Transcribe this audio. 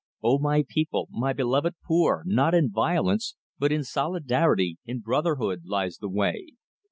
Oh, my people, my beloved poor, not in violence, but in solidarity, in brotherhood, lies the way!